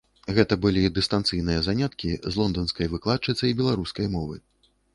Гэта былі дыстанцыйныя заняткі з лонданскай выкладчыцай беларускай мовы.